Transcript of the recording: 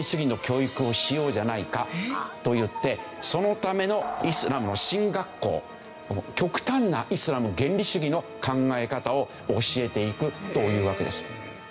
この連中にそのためのイスラムの神学校極端なイスラム原理主義の考え方を教えていくというわけです。